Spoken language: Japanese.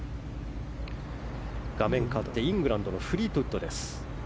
画面が変わってイングランドのフリートウッドです。